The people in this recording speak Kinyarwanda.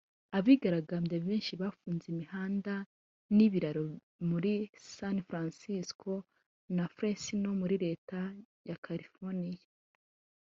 Abigaragambya benshi bafunze imihanda n’ibiraro muri San Francisco na Fresno muri Leta ya California